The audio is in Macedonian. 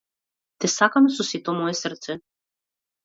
Те сакам со сето мое срце.